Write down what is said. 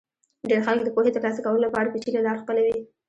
ډېر خلک د پوهې ترلاسه کولو لپاره پېچلې لار خپلوي.